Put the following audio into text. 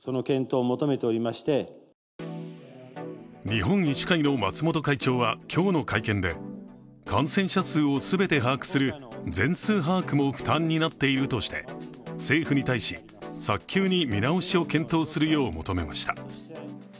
日本医師会の松本会長は今日の会見で感染者数を全て把握する全数把握も負担になっているとして政府に対し、早急に見直しを検討するよう求めました。